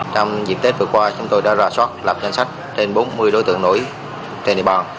trong dịp tết vừa qua chúng tôi đã ra soát lập danh sách trên bốn mươi đối tượng nổi trên địa bàn